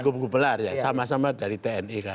agung bukubelar ya sama sama dari tni kan